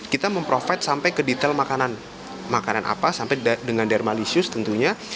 kita memprovide sampai ke detail makanan makanan apa sampai dengan dermalisius tentunya